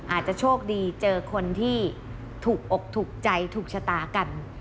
อาจจะโชคดีเจอคนที่ถูกอกถูกใจถูกชะตากัน